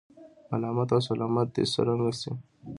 ملامت او سلامت دې څرګند شي.